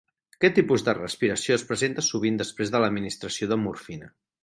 Aquest tipus de respiració es presenta sovint després de l'administració de morfina.